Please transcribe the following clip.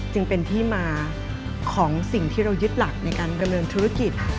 จึงเป็นที่มาของสิ่งที่เรายึดหลักในการดำเนินธุรกิจ